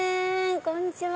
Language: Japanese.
こんにちは。